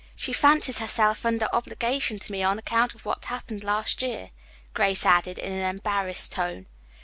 She fancies herself under obligation to me on account of what happened last year," Grace added in an embarrassed tone.